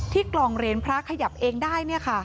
ที่กล่องเหรนพระขยับเองได้นี่ค่ะ